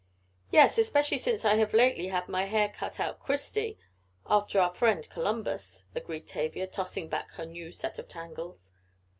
"Yes, especially since I have lately had my hair cut Christy after our friend Columbus," agreed Tavia, tossing back her new set of tangles.